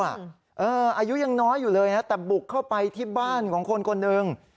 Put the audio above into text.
อายุยังน้อยอยู่เลยนะแต่บุกเข้าไปที่บ้านของคนคนหนึ่ง